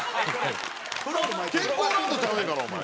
健康ランドちゃうねんからお前。